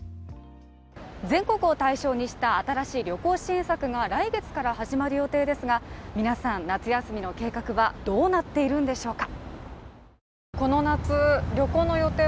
全国を対象にした新しい旅行支援策が来月から始まる予定ですが、皆さん夏休みの計画はどうなっているんでしょうか？